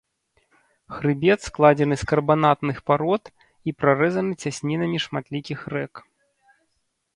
Хрыбет складзены з карбанатных парод і прарэзаны цяснінамі шматлікіх рэк.